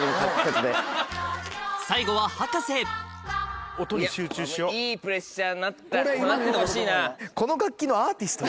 最後はいいプレッシャーになったなっててほしいな。